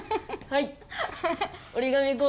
はい。